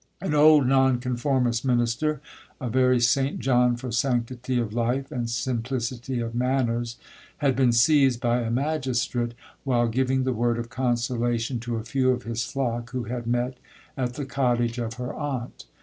'An old non conformist minister, a very Saint John for sanctity of life, and simplicity of manners, had been seized by a magistrate while giving the word of consolation to a few of his flock who had met at the cottage of her aunt.